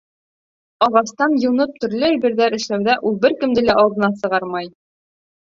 Ағастан юнып төрлө әйберҙәр эшләүҙә ул бер кемде лә алдына сығармай.